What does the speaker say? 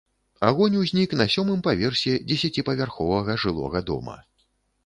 Агонь узнік на сёмым паверсе дзесяціпавярховага жылога дома.